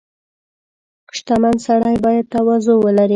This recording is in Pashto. • شتمن سړی باید تواضع ولري.